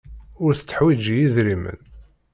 Ur tetteḥwiji idrimen.